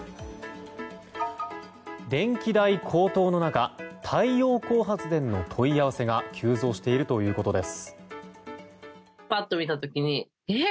電気代高騰の中太陽光発電の問い合わせが急増しているということです。